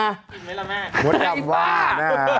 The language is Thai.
กินไหมล่ะแม่ไอ้ฟ้าหมดยำว่าน่ะ